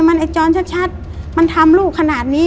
มันไอ้จรชัดมันทำลูกขนาดนี้